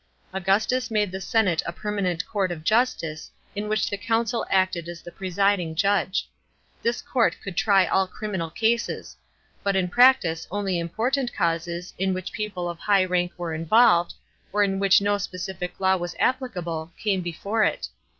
Augustus made the senate a permanent court of justice, in which the consul acted as the presiding judge. This court could try all criminal cases ; but in practice only important causes, in which people of high rank were involved, or in which no specific law was applicable, came before it.